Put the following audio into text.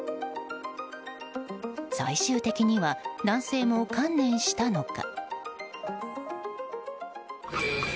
最終的には男性も観念したのか。